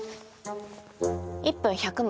１分１００枚。